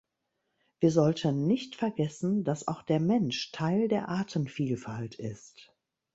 Wir sollten nicht vergessen, dass auch der Mensch Teil der Artenvielfalt ist.